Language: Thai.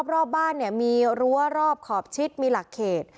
รอบบ้านมีรั้วรอบขอบชิดมีหลักเขต